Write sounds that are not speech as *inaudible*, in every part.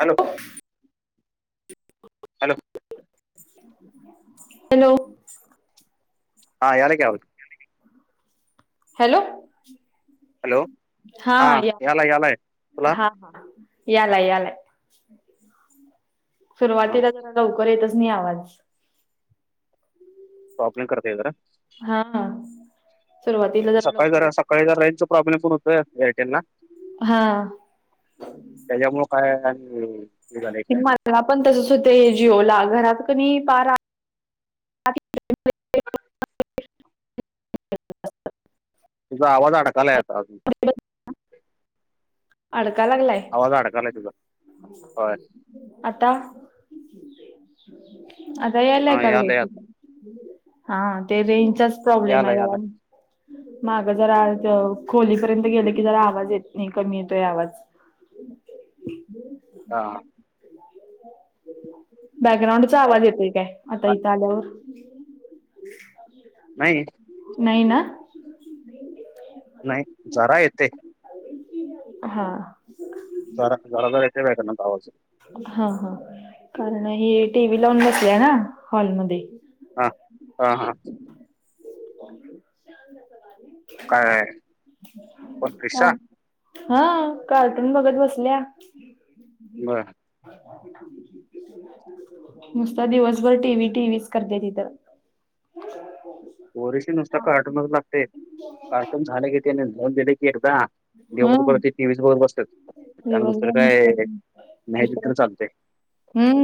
Hello hello! Hello! हा यालाकी आवाज. हॅलो हॅलो हा या याला यालाय तुला हा हा! याला यालाय हा सुरुवातीला जरा जाऊ बर येतच नही आवाज प्रॉब्लेम करतय जरा हा! सुरुवातीला सकाळी लवकर जरा, सकाळी जरा, रेंजचा प्रॉब्लेम पण होतोय एअरटेल ला हा त्याच्यामुळ काय आणि हे झालंय काय माला पण तसच होतय जिओला घरात कनी पारा *unintelligible* *inaudible* तुजा आवाज अडकाला यता अजून अडका लागलाय आवाज अडकालाय तुझा होय आता आता यालाय हा का वेळ आता हा ते रेंजचच प्रॉब्लेम यालाय आहे. यालाय माग जरा खोलीपर्यंत गेलं की जरा आवाज येत नही, कमी येत ते आवाज हा! बॅकग्राउंडचा हा आवाज येतोय काय, आता इथं आल्यावर नाही. नाहीई ना. नाही जरा येतेय. हा! जरा घरा येते बायग ना गावाच *unintelligible* हा हा कारण हे टी व्ही लावून बसले ना हॉलमध्ये हा हा हा! कायआहे. हा. पणफेसा हा कार्टून बघत बसल्या. नुसत दिवसभर टीव्ही टीव्ही च करत्यात ईथ. ह *unintelligible* पोरीशनी नुसत कार्टूनच लागतय, कार्टून झाल कि तिने नोंद दिले की एकदा. जव हा बर ते टी व्हीस बघत बसत त्यानंतर दिवसभर काय नसतात नाही दिल तरी चालते *unintelligible* हूं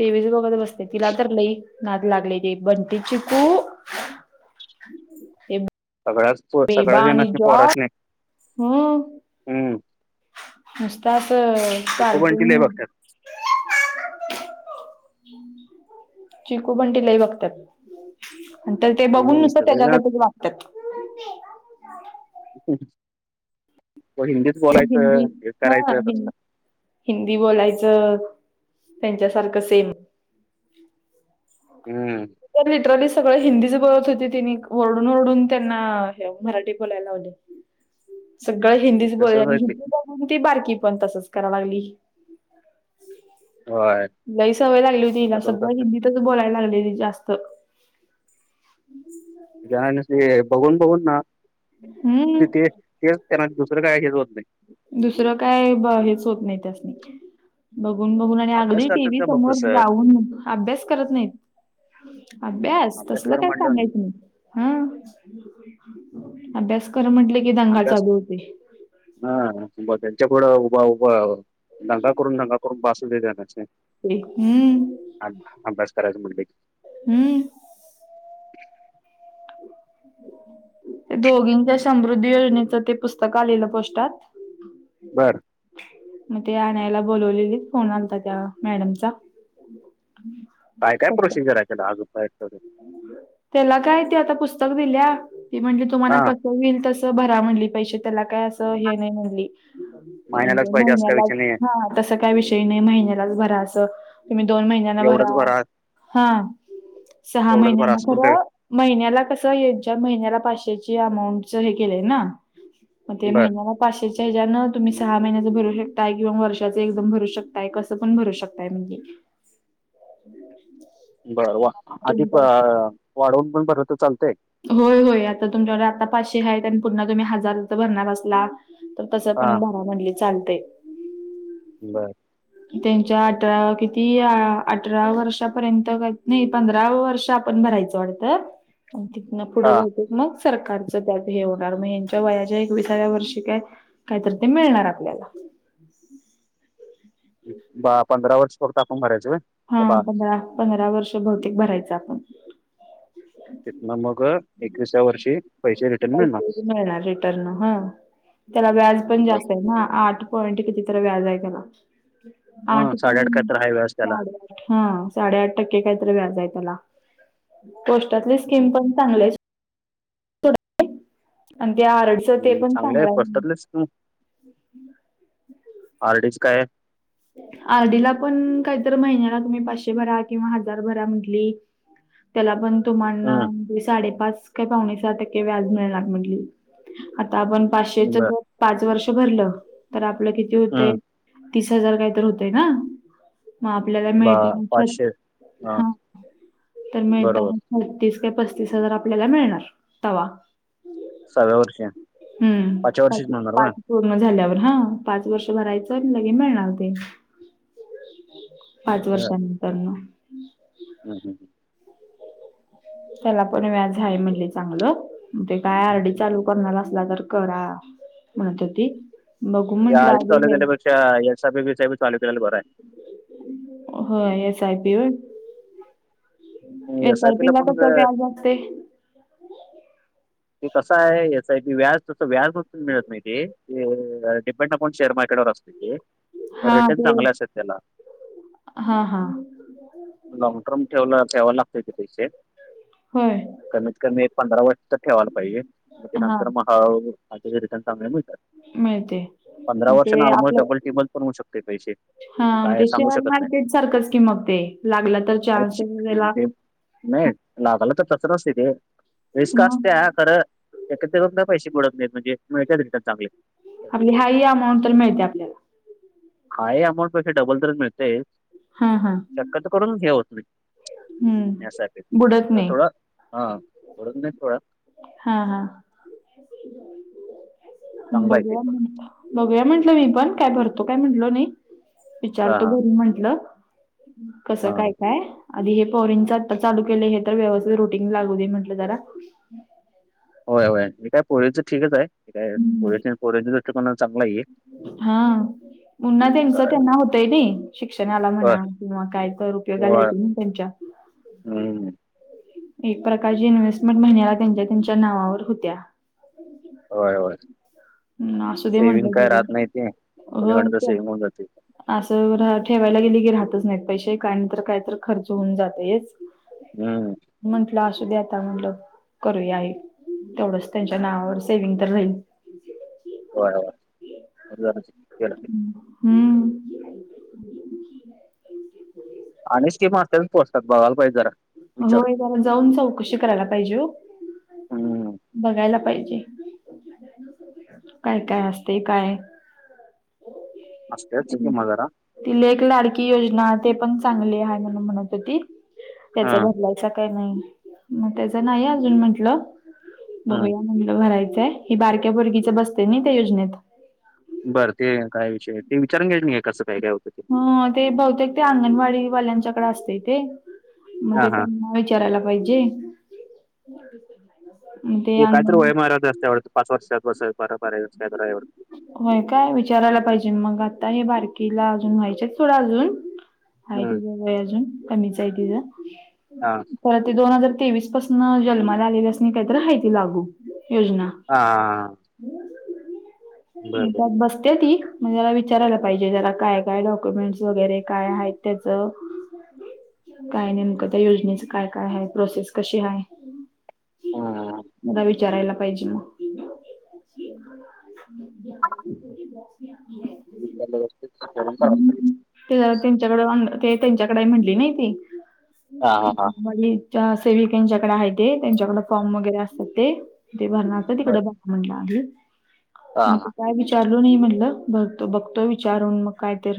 टीविच बगत बसते तिला तर लई नाद लागली ते बंटी चिकू हे सगळ्याच पो बेबा सगळ्याच आणि जणांसनी जॉ पोरासनी हम हम्म नुसताच पिकू चालत बंटी लय बघतात चिकू पंटिलाही बघतात तर ते बघून हम्म नुसत सगळेजणच त्याच्यागतरी वागतात हिंदीच तर बोलायचं हिंदी हे हा ह करायचं तसं हिंदी बोलायचं त्यांच्यासारख सेम हम्म लिटरली सगळ हिंदीच बोलत होते तिनी ओरडून ओरडून त्यांना मराठी बोलायला लावली सगळं हिंदीच बोल तसंच आणि आहे ते हिंदी बून ती बारकी पण तसच करा लागली होय लाही सवय लागली होती हिला तसंच सगळ्या करतात हिंदीतच बोलायला लागली जास्त तर ज बघून बघून ना हम्म त्याना दुसर काय हे हो नाही दुसरं काय हेच होत नाही त्यासनी बघ बघून, बघून, आणि अभ्यास अगदी करतात टीव्ही का बघ समोर तसं जाऊन, अभ्यास करत नाहीत. हम्म अभ्यास तसल तेवढं काय म्हणल्यावर सांगायचं नाही हा अभ्यास कर म्हटले कि दंगा चालू होते त्यांच्याकडं उभ उभ दंगा करून दंगा करून बासू दे देण्याचे ते हम्म खराज म ब हम्म ते दोघींच्या समृद्धी योजनेचं ते पुस्तक आलेलं पोस्ात बर मग ते आणयला बोलवलेले फोन आता त्या मॅडमचा काय काय प्रोसिजर आहे त्याला अग त्याला काय ते आता पुस्तक दिल्या त म्हण हा तुम्हाला कस होईल तस भरा म्हणली पैसे त्याला काय असं हे नाही म्हण हम महि ह त काही विषय नाही महिन्यालाच भरा तुम्ही दोन महिन भ बात हा सहा महिन्यान असं पण काय खरं महिन्याला कसच्या महिन्याला पाचशे बर त्याच्यानं तुम्ही सहा महिन्याचं भरू शकताय किंवा वर्षाच एकदम भरू शकताय कसं पण भरू शकताय म्हणजे ह ते बर आधी प वाढवून पण बर तर चालत होय होय आता तुमच्याकडे आता पाचशे आहेत आणि पुन्हा तुम्ही हजार तर भरणार बसला तर तसं हा पण भरा म्हणले चालत बर त्यांच्या अठरा किती अठरा वर्षापर्यंत नाही पंधरा वर्ष आपण भरायचं वाटतं तिथनं हा पुढं घावत मग सरकारचं त्यात हे होणार मग यांच्या वयाच्या एकविसाव्या वर्षी काय कायत ते मिळणार आपल्याला बा पंधरा वर्ष करत आपण भरायच हा पंधरा पंधरा वर्ष बहुतेक भरायचं आपण तिथन मग एकविसा्या वर्षी पैसे रिटर्न मिळणार मिणार रिटर्न त्याला व्याज पण बर जास्त आहे ना आठ कोणट कितीत व्याज आहे त्याला हा आठ काय साडेआठ तर हाय व्याज त्याला साडेआठ हा साडेआठ टक्के कायतरी व्याज आहे त्याला पोस्टातली स्कीम पण चांगले आणि ते आरडच ते हम्म पण चांगले चांगलं आहे फस्टातलेच हार्ड डिस्क आहे आर्डीला पण काहीतर महिन्याला फि पाचशे भरा किंवा हजार भरा म्हटली त्याला पन तुम्हाना हम्म साडे पाच काय पावणे सहा टक्के व्याज मिळणार म्हट. आ आपण पाचशेच बर जर पाच वर्ष भरलं तर आपलं किती होते हम्म त. हजार काही तर होतय ना. मग आपल्याला बा मिळतानाछ पाचशे हा ह तर बरोबर मिळताना छत्तीस. *unintelligible* पस्तिस हजार आपल्याला मिळणार तवा सहाव्या वर्षी. हम्म पाचव्या पा वर्षीच म्हणणार का पाच पूर्ण झाल्यावर हा पाच वर्ष भरायचं. चल लंगै मिळणार ते पाच वर्षानंतर न. हम् हम् हम्. *unintelligible* त्याला पण व्याज आहे म्हणले चांगलं ते काय आरडी हं चालू करणार असला तर. करा म्हणत ती. ते अ कॉलेजच्यापेक्षा एीी चॉलेजला करा आहे. *unintelligible* होय एस आय पी व्हय आहे एस आय साय टि पीला ला पण कस व्याज असते. ते कसं आहे एस आय टि व्याज तस व्याजून मिळत नाही ते. डिपेंड अपाऊन शेअर मार्केट वर असते ते. तर हा रेटच ते चांगलाच आहे त्याला. हा हा लाँग टर्म ठेवला. ठेवायला लागतय ते पैसे होय कमीत कमी एक पंधरा वर्ष तर ठेवायला पाहिजे. मग हा नंतर मग रिट *unintelligible* न समय. मिळते पंधरा मग वर्षांने ते ऑलमोस्ट आपलं डबल टीमल पण होऊ शकते पैसे. हा काय ते सांगू शेअर शकत नाही मार्केट सारखंच कि मग ते लागला तर चान्स वगला. नाही लागाला तर तसं नसते तेे रिस्क असत्या मग खरं. एकत पैसे बुड *unintelligible* त नाही म्हजेततात चांगले. आपली हाई अमाऊंट तर मिळते आपल्याला. हाय अमाऊंट पेक्षा डबल तर मिळते हा हा शक्यत करून हे होत नाही. यासाठी हम्म बुडत का नाही थोडा हा बोलून नाही थोडा. हा हा. चांगला आहे ते बघूया पण. म्ह बघूया म्हटलं मी पण काय भरतो काय म्हटलो नाही. हा विचारतो हा घरी म्हंटल कसं हा काय काय. आधी हे पोरीच आता चालू केलय हे तर व्यवस्थित रुटीन लागू दे म्हटलं जरा. होय होय ते काय पोरिंच ठीक च आहे काय हम्म. ऊगचच पोरिंच्यात कुणाच हा. पून्हा त्यांच त्यांना होतय कि नाही शिक्षणाला होय म्हणा किंवा काय तर उपयोगाला होय येतील ना त्यांच्या. हम्म. *unintelligible* एक प्रकारची इन्व्हेस्टमेंट महिन्याला त्यांच्या त्यांच्या नावावर होत्या. होय होय. हम् असुदे सेविंग म्हटलं काय तरी राहत नाही ते. कोणीकडनं तर होय सेविंग होऊन जाते असं रा ठेवायला गेले की राहतच नाही पैसे काय नाही तर कायतर खर्च होऊन जातयच. हम्म. असुदे आता म्हणल करूया तेवढ त्यांच्या नावावर सेव्हिंग तर राल. होय ब. हम्म. आणि स्किम असत्यात पोस्टात बगायला पाहिजे जरा. विचारून होय जरा जाऊन चौकशी करायला पाहिजे हम्म बघायला पाहिजे. काय काय असते काय. असतेच कि म जरा तिले एक लाडकी योजना ते पण चांगली आहे म्हण म्हणत होती. हा त्याचा बदलायचा काय नाही मग त्याच नाही अजून म्हंटलं. हा बघ या मलं भरायचंय हे बारक्या भुरगीच बसते ना त्या योजनेत. बरं ते काय विषय ते विचारून घ्याय नाही का कसं काय हो ह ते बहुतेक ते अंगणवाडी वाल्यांच्याकडे असते ते म हा ते हा त्यांना विचारायला पाहिजे मग ते काहीतर अंगण वय मारा असत्या वाटत पाच वर्ष बा बारा वर्ष वाटतं ते होय काय विचारायला पाहिजे मग आता हे बारकीला अजून व्हायचेत सोडा अजून हाय हम्म तिझ वय अजून कमीचय तिझ हा पण ती दोन हजार तेवीस पासन जन्माला आलेल्यासनी कायतर हाय ते लागू योजना हा हा म बर बर त्यात बसत्या ती? म जला विचारायला पाहिजे जरा काय काय डॉक्युमेंटस वगैरे काय हाइत त्याचं काय नेमकं त्या योजनेचं काय काय हाय प्रोसेस कशी हाय? हम्म विचारायला पाहिजे म *unintelligible* हम्म. ते जरा *unintelligible* ते त्यांच्याकडे म्हणली नयी ती हा हा हा. त्या सेविकेंच्याकडे आहे ते त्यांच्याकडे फॉर्म वगैरे असतात ते ते भरणार तिकड बर बघा म्हणलं आम्ही हा मग ते हा काय विचार मी म्हणलं बघ बघतो विचारून मग कायत र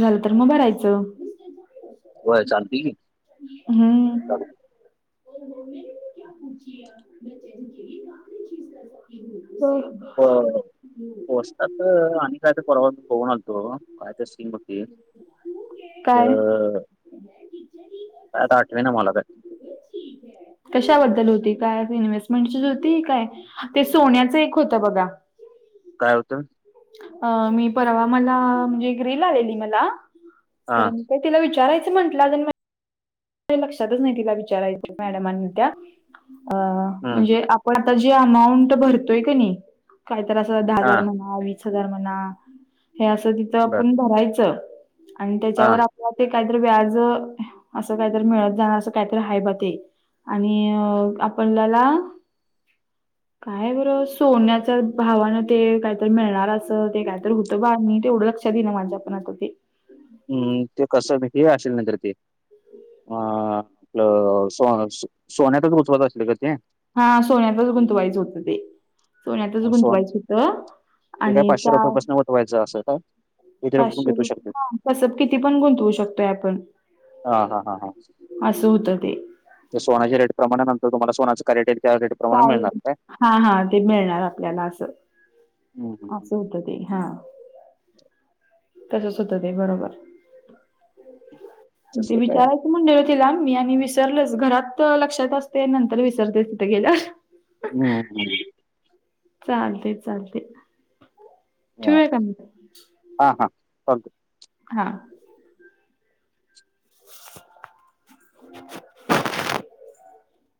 झालं तर मग भरायचं व्हय चालतय की चालेल. हम्म. *unintelligible* ह पोशटाच आणि काय त परवा मी बघून आलतो काय तर स्कीम अ काय काय आता आठवेना मला का *inaudible* कशाबद्दल होती काय इन्व्हेस्टमेंटचीच होती काय ते सोन्याचं एक होतं बघा काय होतं? अ मी परवा मला म्हणजे रील आलेली मला हा खरं मी काय तिला विचारायचं म्हटल लक्षातच तिला विचारायच मॅडमानी त्या अ हम्म म्हणजे आपण आता जी अमाऊंट भरतोय कणी काहीतर असं दहा हजार हा म्हणा वीस हजार म्हणा हे असं तिथं बर आपण भरायचं आणि हा त्याच्यावर आपलं ते कायतर व्याज असं कायतर मिळत जाण असं कायतर हाय बा ते आणि आपल्याला काय बरं सोन्याच्या भावानं ते कायतर मिळणार अस ते काय तर हुतं बा नीट येवढं लक्षात इना माझ्या पण आता ते हम्म ते कस *unintelligible* असल नाहीतर ते अ आपलं सो सो सोन्यातच गुतवायचं असल ग ते हा सोन्यातच गुंतवायचं होतं ते सोन्यातच अं, सोन गुंतवायचं हुत ते काय आणि पाचशे त्या रुपयापासून वतवायचं असं का किती रुपये पण पाचशे घेतू रुप शकते हा कस प किती पण गुंतवू शकतोय आपण हा हा हा हा असं होतं ते तर सोनाच्या रेट प्रमाणानंतर तुम्हाला सोनाचं काय रेट त्या रेट प्रमाणे काय मिळणार हा हा ते मिळणार आपल्याला असं... हम्म हम्म हम्म असं हुतं ते हा... तसच होत ते बरोबर ते तसं काय विचारायचं म्हणलेलं.... तीला मी आणि विसरलच घरात लक्षात असतय नंतर विसरतय तिथं गेल्यावर.... *unintelligible* चालते चालते... ठेऊया का... अ... हा... *unintelligible*